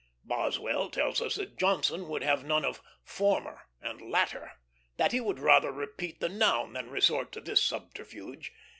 Boswell tells us that Johnson would have none of "former" and "latter;" that he would rather repeat the noun than resort to this subterfuge.